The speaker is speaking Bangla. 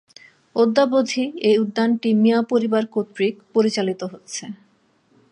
অদ্যাবধি এ উদ্যানটি মিয়া পরিবার কর্তৃক পরিচালিত হচ্ছে।